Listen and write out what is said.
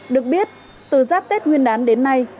được biết từ giáp tết nguyên đán đến nay